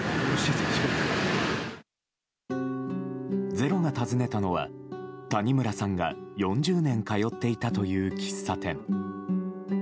「ｚｅｒｏ」が訪ねたのは谷村さんが４０年通っていたという喫茶店。